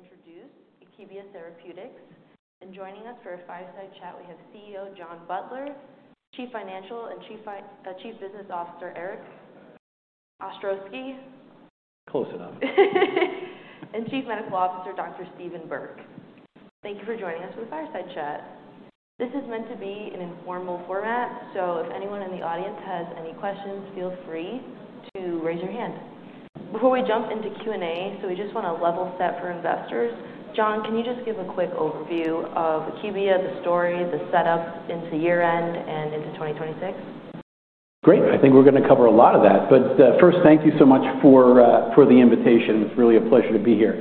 Introduce Akebia Therapeutics and joining us for a fireside chat, we have CEO John Butler, Chief Financial and Chief Business Officer Erik Ostrowski. Close enough. Chief Medical Officer Dr. Steven Burke. Thank you for joining us for the fireside chat. This is meant to be an informal format, so if anyone in the audience has any questions, feel free to raise your hand. Before we jump into Q&A, we just want to level set for investors. John, can you just give a quick overview of Akebia, the story, the setup into year-end and into 2026? Great. I think we're going to cover a lot of that. But first, thank you so much for the invitation. It's really a pleasure to be here.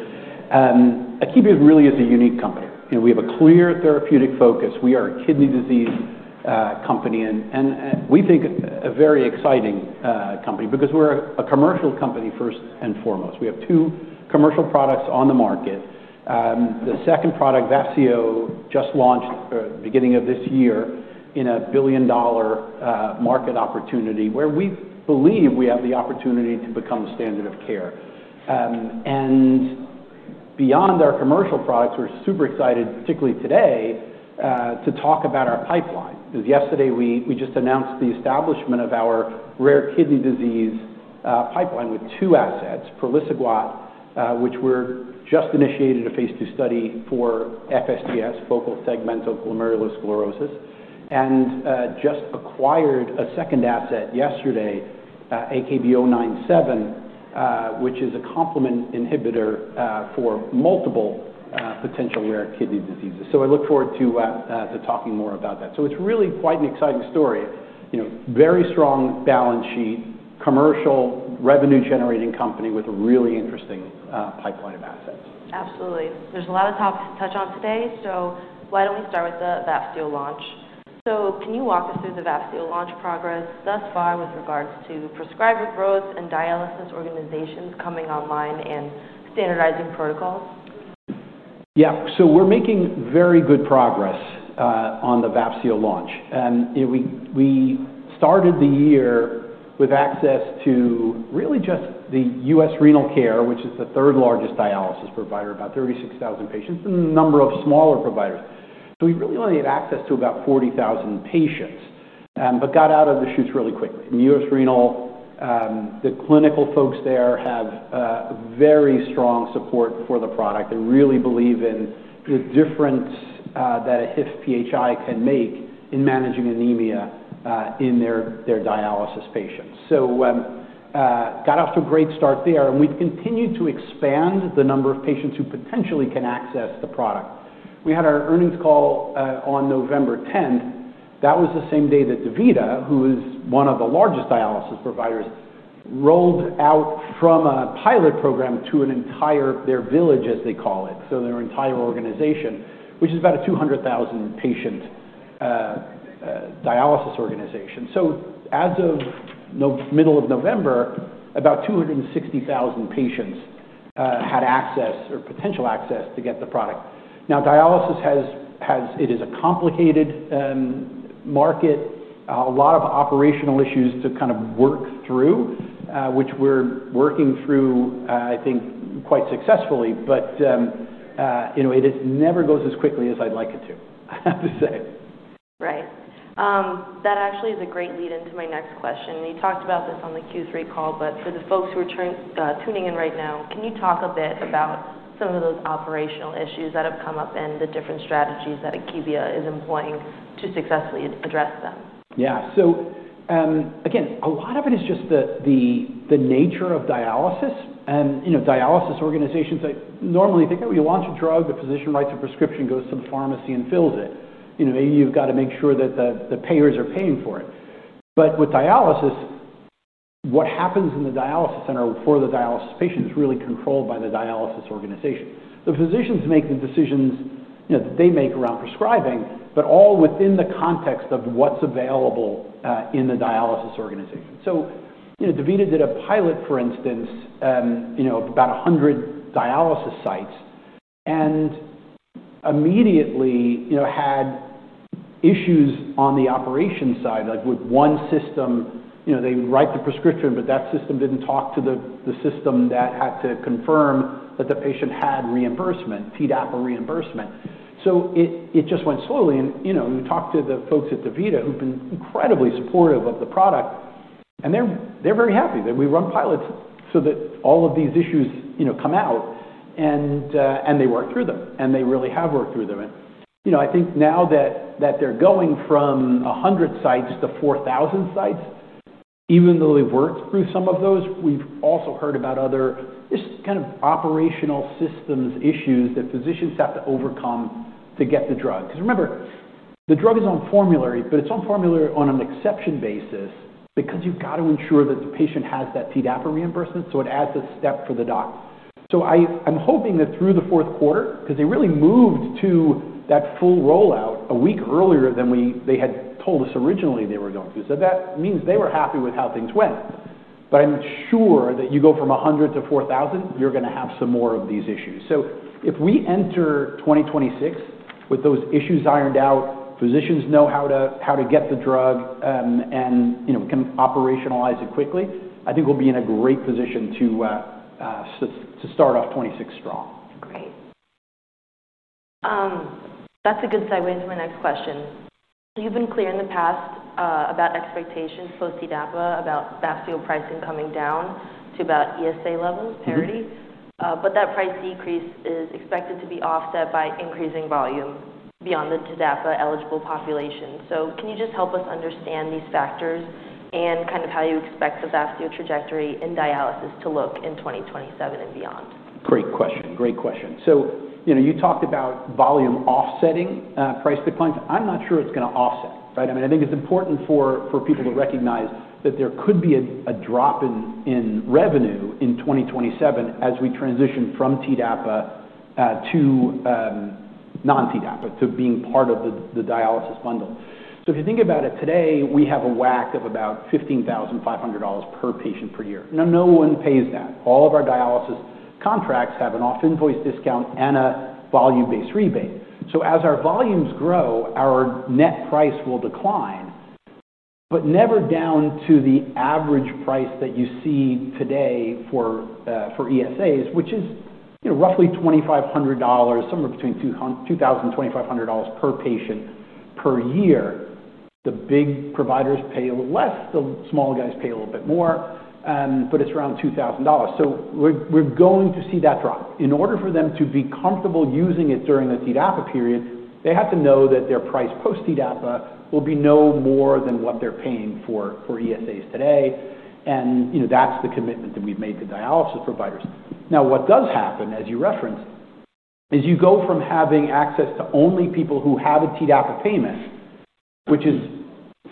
Akebia really is a unique company. We have a clear therapeutic focus. We are a kidney disease company, and we think a very exciting company because we're a commercial company first and foremost. We have two commercial products on the market. The second product, Vafseo, just launched at the beginning of this year in a billion-dollar market opportunity where we believe we have the opportunity to become the standard of care. And beyond our commercial products, we're super excited, particularly today, to talk about our pipeline. Because yesterday, we just announced the establishment of our rare kidney disease pipeline with two assets, praliciguat, which we're just initiating a phase II study for FSGS, focal segmental glomerulosclerosis, and just acquired a second asset yesterday, AKB-097, which is a complement inhibitor for multiple potential rare kidney diseases. So I look forward to talking more about that. So it's really quite an exciting story. Very strong balance sheet, commercial revenue-generating company with a really interesting pipeline of assets. Absolutely. There's a lot of topics to touch on today, so why don't we start with the Vafseo launch? So can you walk us through the Vafseo launch progress thus far with regards to prescriber growth and dialysis organizations coming online and standardizing protocols? Yeah. So we're making very good progress on the Vafseo launch. We started the year with access to really just the U.S. Renal Care, which is the third-largest dialysis provider, about 36,000 patients, and a number of smaller providers. So we really only had access to about 40,000 patients, but got out of the chutes really quickly. In U.S. Renal Care, the clinical folks there have very strong support for the product. They really believe in the difference that a HIF-PHI can make in managing anemia in their dialysis patients. So got off to a great start there, and we've continued to expand the number of patients who potentially can access the product. We had our earnings call on November 10th. That was the same day that DaVita, who is one of the largest dialysis providers, rolled out from a pilot program to their village, as they call it, so their entire organization, which is about a 200,000-patient dialysis organization. So as of middle of November, about 260,000 patients had access or potential access to get the product. Now, dialysis is a complicated market, a lot of operational issues to kind of work through, which we're working through, I think, quite successfully, but it never goes as quickly as I'd like it to, I have to say. Right. That actually is a great lead into my next question. You talked about this on the Q3 call, but for the folks who are tuning in right now, can you talk a bit about some of those operational issues that have come up and the different strategies that Akebia is employing to successfully address them? Yeah. So again, a lot of it is just the nature of dialysis. Dialysis organizations normally think, "Oh, you launch a drug, the physician writes a prescription, goes to the pharmacy and fills it." Maybe you've got to make sure that the payers are paying for it. But with dialysis, what happens in the dialysis center for the dialysis patient is really controlled by the dialysis organization. The physicians make the decisions that they make around prescribing, but all within the context of what's available in the dialysis organization. So DaVita did a pilot, for instance, of about 100 dialysis sites and immediately had issues on the operation side. With one system, they would write the prescription, but that system didn't talk to the system that had to confirm that the patient had reimbursement, TDAPA or reimbursement. So it just went slowly. You talk to the folks at DaVita who've been incredibly supportive of the product, and they're very happy that we run pilots so that all of these issues come out and they work through them, and they really have worked through them. I think now that they're going from 100 sites to 4,000 sites, even though they've worked through some of those, we've also heard about other just kind of operational systems issues that physicians have to overcome to get the drug. Because remember, the drug is on formulary, but it's on formulary on an exception basis because you've got to ensure that the patient has that TDAPA or reimbursement, so it adds a step for the doc. I'm hoping that through the fourth quarter, because they really moved to that full rollout a week earlier than they had told us originally they were going to, so that means they were happy with how things went. But I'm sure that you go from 100-4,000, you're going to have some more of these issues. So if we enter 2026 with those issues ironed out, physicians know how to get the drug, and we can operationalize it quickly, I think we'll be in a great position to start off 2026 strong. Great. That's a good segue into my next question. You've been clear in the past about expectations post-TDAPA, about Vafseo pricing coming down to about ESA levels, parity. But that price decrease is expected to be offset by increasing volume beyond the TDAPA eligible population. So can you just help us understand these factors and kind of how you expect the Vafseo trajectory in dialysis to look in 2027 and beyond? Great question. Great question. So you talked about volume offsetting price declines. I'm not sure it's going to offset. I think it's important for people to recognize that there could be a drop in revenue in 2027 as we transition from TDAPA to non-TDAPA, to being part of the dialysis bundle. So if you think about it today, we have a WAC of about $15,500 per patient per year. Now, no one pays that. All of our dialysis contracts have an off-invoice discount and a volume-based rebate. So as our volumes grow, our net price will decline, but never down to the average price that you see today for ESAs, which is roughly $2,500, somewhere between $2,000 and $2,500 per patient per year. The big providers pay a little less, the small guys pay a little bit more, but it's around $2,000. So we're going to see that drop. In order for them to be comfortable using it during the TDAPA period, they have to know that their price post-TDAPA will be no more than what they're paying for ESAs today. And that's the commitment that we've made to dialysis providers. Now, what does happen, as you referenced, is you go from having access to only people who have a TDAPA payment, which is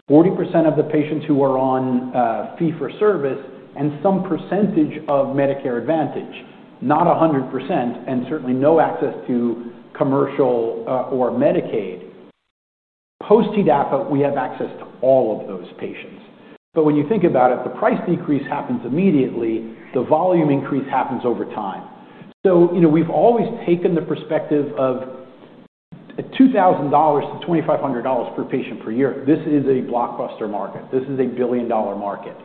40% of the patients who are on fee-for-service and some percentage of Medicare Advantage, not 100%, and certainly no access to commercial or Medicaid. Post-TDAPA, we have access to all of those patients. But when you think about it, the price decrease happens immediately. The volume increase happens over time. So we've always taken the perspective of $2,000-$2,500 per patient per year. This is a blockbuster market. This is a billion-dollar market.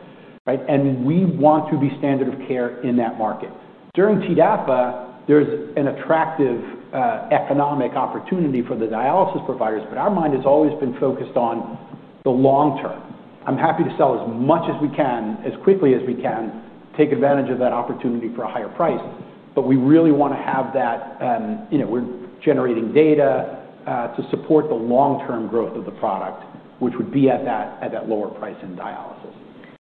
And we want to be standard of care in that market. During TDAPA, there's an attractive economic opportunity for the dialysis providers, but our mind has always been focused on the long term. I'm happy to sell as much as we can, as quickly as we can, take advantage of that opportunity for a higher price. But we really want to have that. We're generating data to support the long-term growth of the product, which would be at that lower price in dialysis.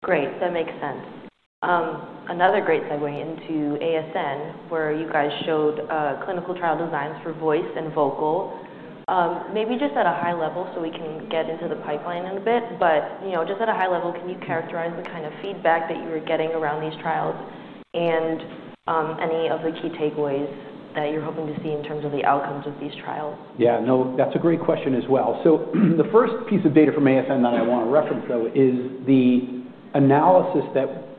Great. That makes sense. Another great segue into ASN, where you guys showed clinical trial designs for VOICE and VOCAL. Maybe just at a high level so we can get into the pipeline a bit, but just at a high level, can you characterize the kind of feedback that you were getting around these trials and any of the key takeaways that you're hoping to see in terms of the outcomes of these trials? Yeah. No, that's a great question as well. So the first piece of data from ASN that I want to reference, though, is the analysis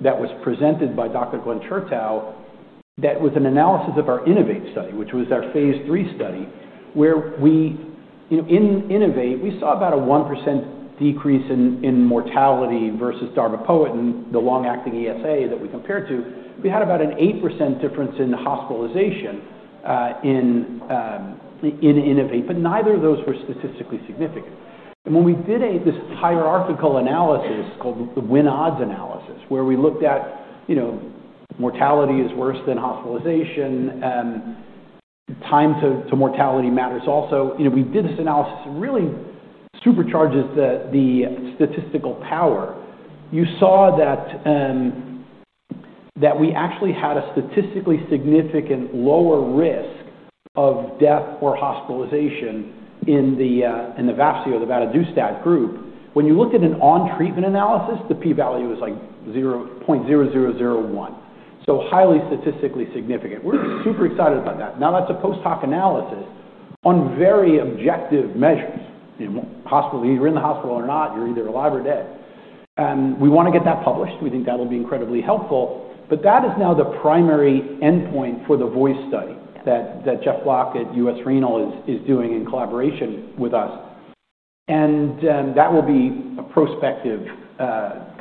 that was presented by Dr. Glenn Chertow that was an analysis of our INNO2VATE study, which was our phase III study, where we in INNO2VATE, we saw about a 1% decrease in mortality versus darbepoetin, the long-acting ESA that we compared to. We had about an 8% difference in hospitalization in INNO2VATE, but neither of those were statistically significant. And when we did this hierarchical analysis called the Win Odds analysis, where we looked at mortality is worse than hospitalization, time to mortality matters also, we did this analysis and really supercharges the statistical power. You saw that we actually had a statistically significant lower risk of death or hospitalization in the Vafseo, the vadadustat group. When you looked at an on-treatment analysis, the p-value was like 0.0001, so highly statistically significant. We're super excited about that. Now, that's a post-hoc analysis on very objective measures. You're in the hospital or not, you're either alive or dead. We want to get that published. We think that'll be incredibly helpful. But that is now the primary endpoint for the VOICE study that Jeff Block at U.S. Renal Care is doing in collaboration with us. And that will be a prospective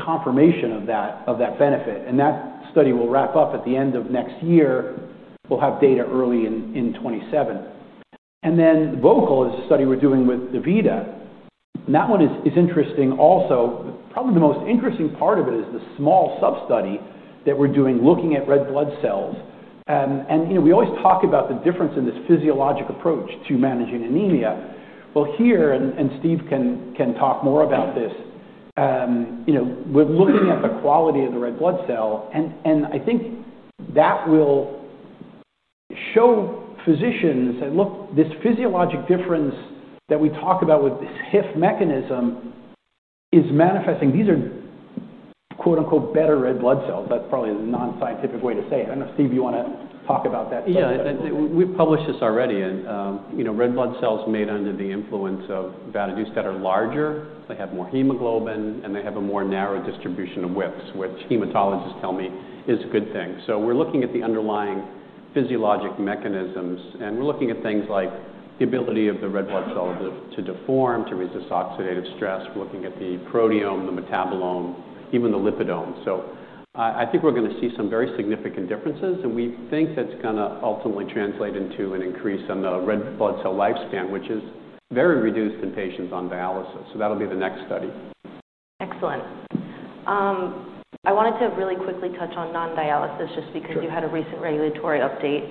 confirmation of that benefit. And that study will wrap up at the end of next year. We'll have data early in 2027. And then VOCAL is a study we're doing with DaVita. And that one is interesting also. Probably the most interesting part of it is the small sub-study that we're doing looking at red blood cells. We always talk about the difference in this physiologic approach to managing anemia. Here, and Steve can talk more about this, we're looking at the quality of the red blood cell. I think that will show physicians, "Look, this physiologic difference that we talk about with this HIF mechanism is manifesting. These are 'better' red blood cells." That's probably a non-scientific way to say it. I don't know, Steve, you want to talk about that? Yeah. We've published this already, and red blood cells made under the influence of vadadustat are larger. They have more hemoglobin, and they have a more narrow distribution of widths, which hematologists tell me is a good thing, so we're looking at the underlying physiologic mechanisms, and we're looking at things like the ability of the red blood cell to deform, to resist oxidative stress. We're looking at the proteome, the metabolome, even the lipidome, so I think we're going to see some very significant differences, and we think that's going to ultimately translate into an increase in the red blood cell lifespan, which is very reduced in patients on dialysis, so that'll be the next study. Excellent. I wanted to really quickly touch on non-dialysis just because you had a recent regulatory update,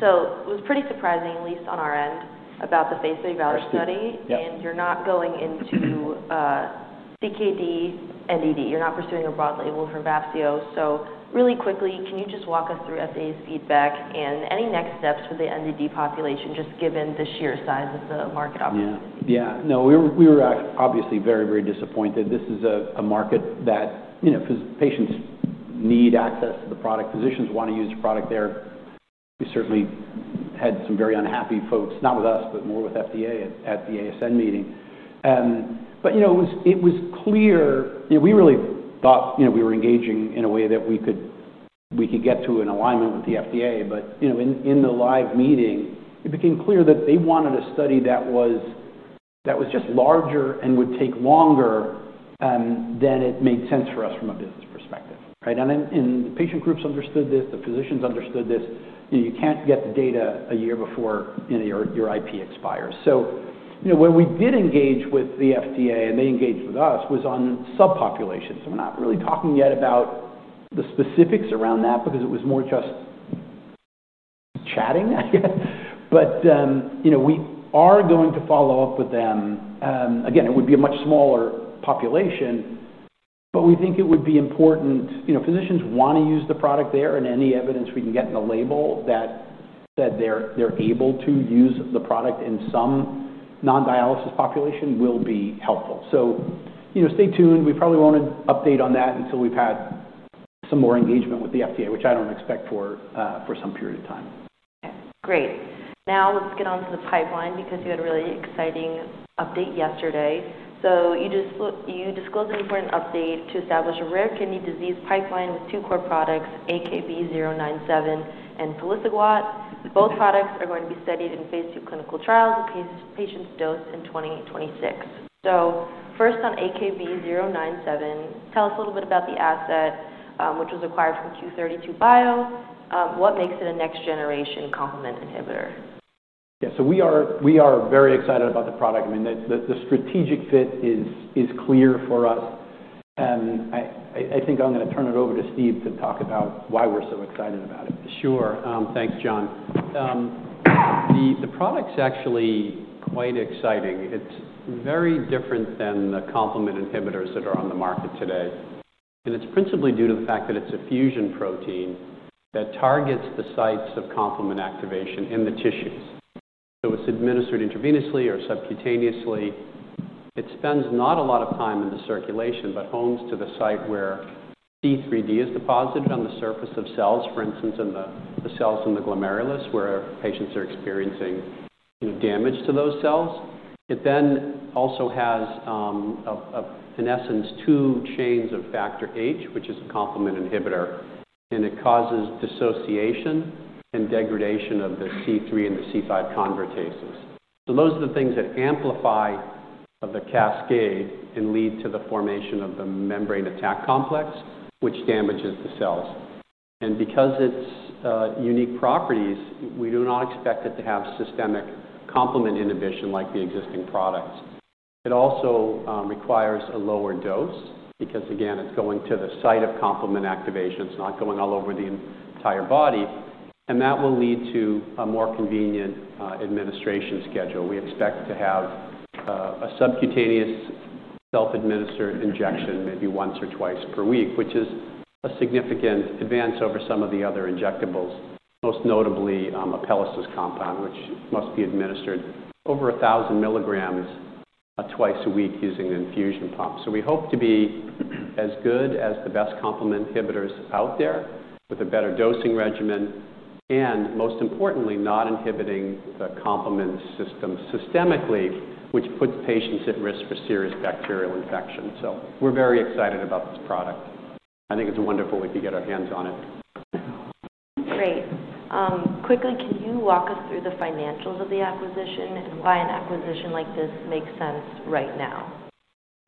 so it was pretty surprising, at least on our end, about the phase III PRO2TECT study, and you're not going into CKD, NDD. You're not pursuing a broad label for Vafseo. So really quickly, can you just walk us through FDA's feedback and any next steps for the NDD population, just given the sheer size of the market opportunity? Yeah. No, we were obviously very, very disappointed. This is a market that patients need access to the product. Physicians want to use the product there. We certainly had some very unhappy folks, not with us, but more with FDA at the ASN meeting. But it was clear we really thought we were engaging in a way that we could get to an alignment with the FDA. But in the live meeting, it became clear that they wanted a study that was just larger and would take longer than it made sense for us from a business perspective. And the patient groups understood this. The physicians understood this. You can't get the data a year before your IP expires. So when we did engage with the FDA, and they engaged with us, was on subpopulations. We're not really talking yet about the specifics around that because it was more just chatting, I guess. We are going to follow up with them. Again, it would be a much smaller population, but we think it would be important. Physicians want to use the product there, and any evidence we can get in the label that they're able to use the product in some non-dialysis population will be helpful. Stay tuned. We probably won't update on that until we've had some more engagement with the FDA, which I don't expect for some period of time. Okay. Great. Now, let's get on to the pipeline because you had a really exciting update yesterday. So you disclosed an important update to establish a rare kidney disease pipeline with two core products, AKB-097 and praliciguat. Both products are going to be studied in phase II clinical trials with patients dosed in 2026. So first on AKB-097, tell us a little bit about the asset, which was acquired from Q32 Bio. What makes it a next-generation complement inhibitor? Yeah. So we are very excited about the product. The strategic fit is clear for us. I think I'm going to turn it over to Steve to talk about why we're so excited about it. Sure. Thanks, John. The product's actually quite exciting. It's very different than the complement inhibitors that are on the market today. And it's principally due to the fact that it's a fusion protein that targets the sites of complement activation in the tissues. So it's administered intravenously or subcutaneously. It spends not a lot of time in the circulation, but homes to the site where C3d is deposited on the surface of cells, for instance, in the cells in the glomerulus where patients are experiencing damage to those cells. It then also has, in essence, two chains of Factor H, which is a complement inhibitor, and it causes dissociation and degradation of the C3 and the C5 convertases. So those are the things that amplify the cascade and lead to the formation of the membrane attack complex, which damages the cells. And because of its unique properties, we do not expect it to have systemic complement inhibition like the existing products. It also requires a lower dose because, again, it's going to the site of complement activation. It's not going all over the entire body. And that will lead to a more convenient administration schedule. We expect to have a subcutaneous self-administered injection maybe once or twice per week, which is a significant advance over some of the other injectables, most notably a pegylated compound, which must be administered over 1,000 mg twice a week using an infusion pump. So we hope to be as good as the best complement inhibitors out there with a better dosing regimen and, most importantly, not inhibiting the complement system systemically, which puts patients at risk for serious bacterial infection. So we're very excited about this product. I think it's wonderful we could get our hands on it. Great. Quickly, can you walk us through the financials of the acquisition and why an acquisition like this makes sense right now?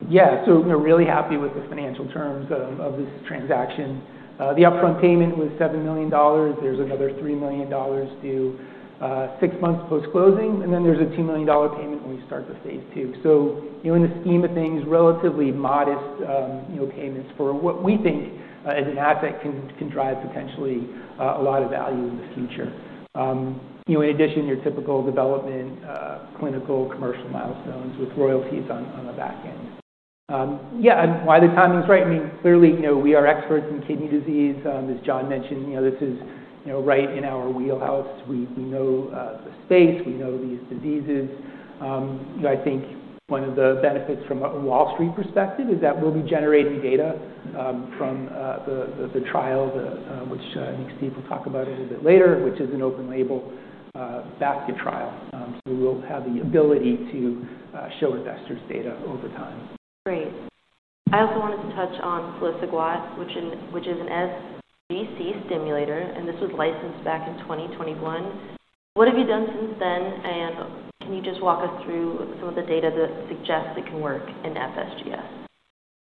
Yeah. So we're really happy with the financial terms of this transaction. The upfront payment was $7 million. There's another $3 million due six months post-closing. And then there's a $2 million payment when we start the phase II. So in the scheme of things, relatively modest payments for what we think as an asset can drive potentially a lot of value in the future. In addition, your typical development clinical commercial milestones with royalties on the back end. Yeah. And why the timing's right? I mean, clearly, we are experts in kidney disease. As John mentioned, this is right in our wheelhouse. We know the space. We know these diseases. I think one of the benefits from a Wall Street perspective is that we'll be generating data from the trial, which I think Steve will talk about a little bit later, which is an open-label basket trial. We will have the ability to show investors data over time. Great. I also wanted to touch on praliciguat, which is an sGC stimulator. And this was licensed back in 2021. What have you done since then? And can you just walk us through some of the data that suggests it can work in FSGS?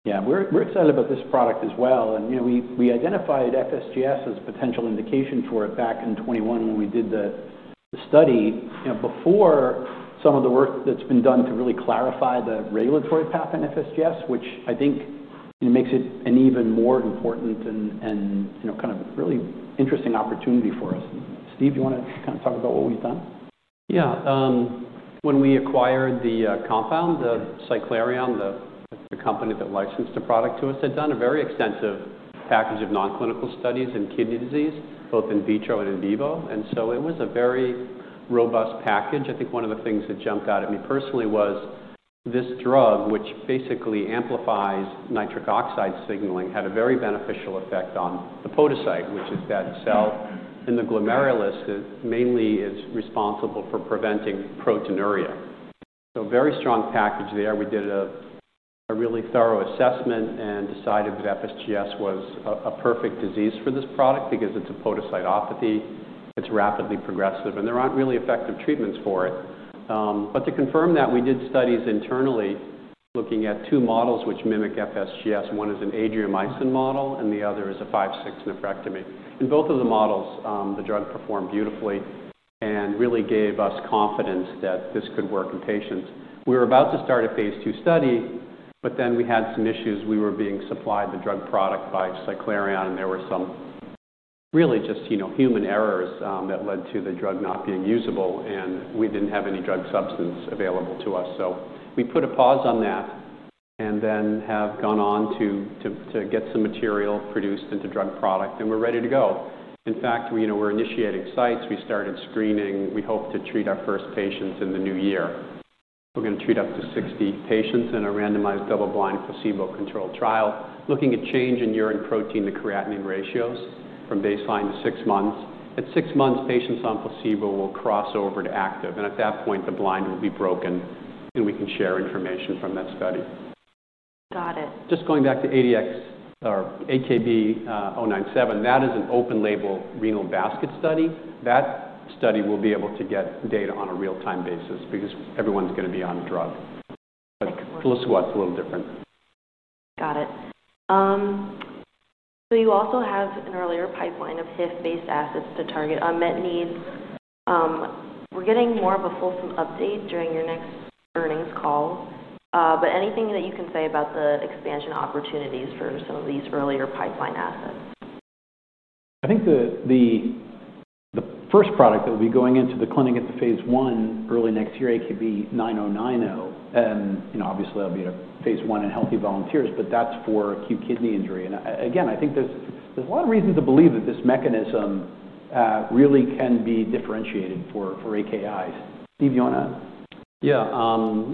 Yeah. We're excited about this product as well, and we identified FSGS as a potential indication for it back in 2021 when we did the study before some of the work that's been done to really clarify the regulatory path in FSGS, which I think makes it an even more important and kind of really interesting opportunity for us. Steve, do you want to kind of talk about what we've done? Yeah. When we acquired the compound, Cyclerion, the company that licensed the product to us, had done a very extensive package of non-clinical studies in kidney disease, both in vitro and in vivo. And so it was a very robust package. I think one of the things that jumped out at me personally was this drug, which basically amplifies nitric oxide signaling, had a very beneficial effect on the podocyte, which is that cell in the glomerulus that mainly is responsible for preventing proteinuria. So very strong package there. We did a really thorough assessment and decided that FSGS was a perfect disease for this product because it's a podocytopathy. It's rapidly progressive, and there aren't really effective treatments for it. But to confirm that, we did studies internally looking at two models which mimic FSGS. One is an Adriamycin model, and the other is a 5/6 nephrectomy. In both of the models, the drug performed beautifully and really gave us confidence that this could work in patients. We were about to start a phase II study, but then we had some issues. We were being supplied the drug product by Cyclerion, and there were some really just human errors that led to the drug not being usable, and we didn't have any drug substance available to us. So we put a pause on that and then have gone on to get some material produced into drug product, and we're ready to go. In fact, we're initiating sites. We started screening. We hope to treat our first patients in the new year. We're going to treat up to 60 patients in a randomized double-blind placebo-controlled trial, looking at change in urine protein-to-creatinine ratios from baseline to six months. At six months, patients on placebo will cross over to active, and at that point, the blind will be broken, and we can share information from that study. Got it. Just going back to ADX-097 or AKB-097, that is an open-label renal basket study. That study will be able to get data on a real-time basis because everyone's going to be on the drug. But praliciguat's a little different. Got it. So you also have an earlier pipeline of HIF-based assets to target unmet needs. We're getting more of a fulsome update during your next earnings call. But anything that you can say about the expansion opportunities for some of these earlier pipeline assets? I think the first product that will be going into the clinic at the phase I early next year, AKB-9090, obviously, it'll be a phase I in healthy volunteers, but that's for acute kidney injury. And again, I think there's a lot of reasons to believe that this mechanism really can be differentiated for AKIs. Steve, do you want to? Yeah.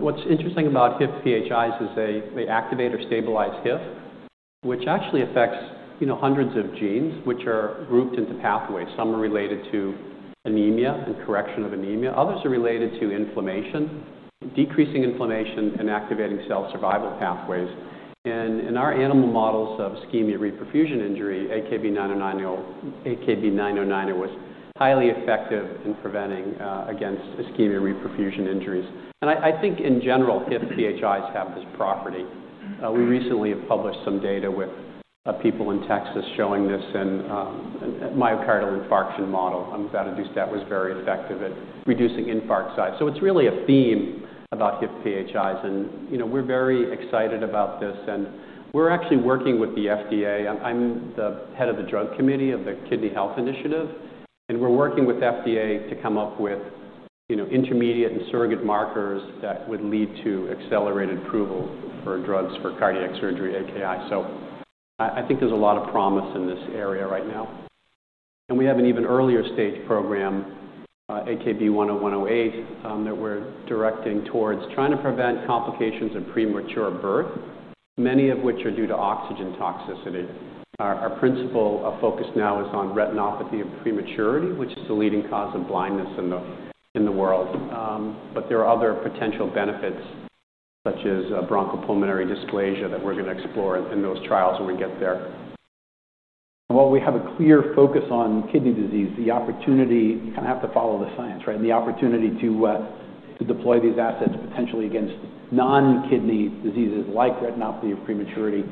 What's interesting about HIF-PHIs is they activate or stabilize HIF, which actually affects hundreds of genes, which are grouped into pathways. Some are related to anemia and correction of anemia. Others are related to inflammation, decreasing inflammation and activating cell survival pathways. And in our animal models of ischemia reperfusion injury, AKB-9090 was highly effective in preventing against ischemia reperfusion injuries. And I think, in general, HIF-PHIs have this property. We recently have published some data with people in Texas showing this in a myocardial infarction model. I'm glad to do that. It was very effective at reducing infarct size. So it's really a theme about HIF-PHIs. And we're very excited about this. And we're actually working with the FDA. I'm the head of the drug committee of the Kidney Health Initiative. And we're working with FDA to come up with intermediate and surrogate markers that would lead to accelerated approval for drugs for cardiac surgery, AKI. So I think there's a lot of promise in this area right now. And we have an even earlier stage program, AKB-10108, that we're directing towards trying to prevent complications of premature birth, many of which are due to oxygen toxicity. Our principal focus now is on retinopathy of prematurity, which is the leading cause of blindness in the world. But there are other potential benefits, such as bronchopulmonary dysplasia, that we're going to explore in those trials when we get there. While we have a clear focus on kidney disease, the opportunity you kind of have to follow the science, right? And the opportunity to deploy these assets potentially against non-kidney diseases like retinopathy of prematurity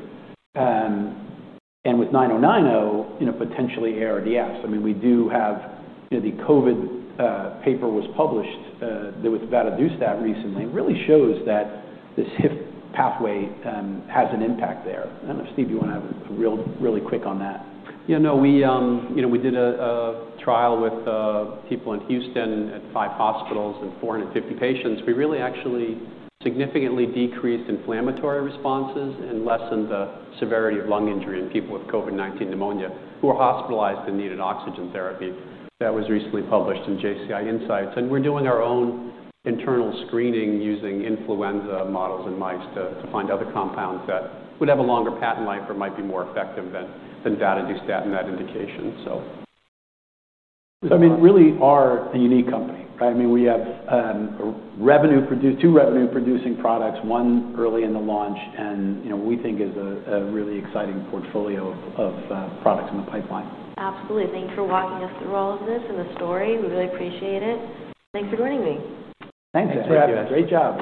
and with 9090, potentially ARDS. I mean, we do have the COVID paper was published with vadadustat recently. It really shows that this HIF pathway has an impact there. I don't know if Steve, you want to have a really quick on that. Yeah. No, we did a trial with people in Houston at five hospitals and 450 patients. We really actually significantly decreased inflammatory responses and lessened the severity of lung injury in people with COVID-19 pneumonia who were hospitalized and needed oxygen therapy. That was recently published in JCI Insight. We're doing our own internal screening using influenza models and mice to find other compounds that would have a longer patent life or might be more effective than vadadustat in that indication, so I mean, really, we are a unique company, right? I mean, we have two revenue-producing products, one early in the launch, and we think is a really exciting portfolio of products in the pipeline. Absolutely. Thanks for walking us through all of this and the story. We really appreciate it. Thanks for joining me. Thanks. Thanks for having us. Thanks. Great job.